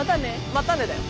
またねだよ。